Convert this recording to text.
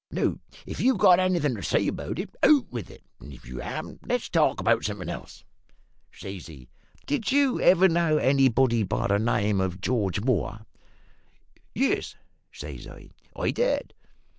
Now, if you've got anything to say about it, out with it; and if you haven't, let's talk about somethin' else.' "Says he, `Did you ever know anybody by the name of George Moore?' "`Yes,' says I, `I did.'